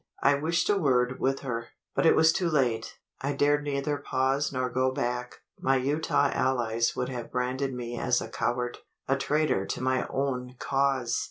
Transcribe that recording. I wished a word with her; but it was too late. I dared neither pause nor go back. My Utah allies would have branded me as a coward a traitor to my own cause!